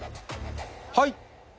はい。